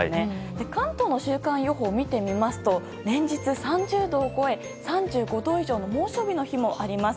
関東の週間予報を見てみますと連日３０度を超え３５度以上の猛暑日もあります。